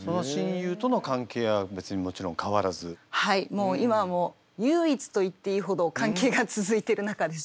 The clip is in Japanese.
もう今も唯一と言っていいほど関係が続いてる仲です。